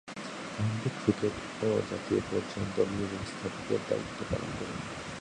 County cricket ও জাতীয় পর্যায়ে দলীয় ব্যবস্থাপকের দায়িত্ব পালন করেন।